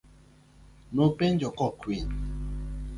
Nopenjo kokwiny.